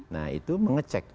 nah itu mengecek